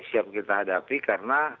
siap kita hadapi karena